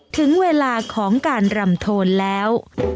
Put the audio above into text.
ถึงเวลาของการรำโทนแล้ว